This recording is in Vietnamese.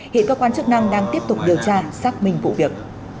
hiện cơ quan chức năng đang tiếp tục điều tra xác minh vụ việc